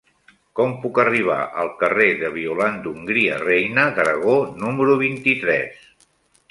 Com puc arribar al carrer de Violant d'Hongria Reina d'Aragó número vint-i-tres?